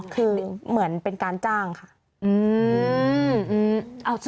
คือเหมือนเป็นการจ้างค่ะ